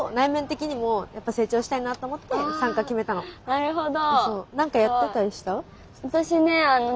なるほど。